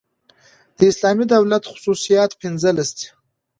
د اسلامي دولت خصوصیات پنځلس دي.